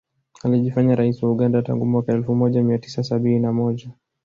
Alijifanya rais wa Uganda tangu mwaka elfu moja mia tisa sabini na moja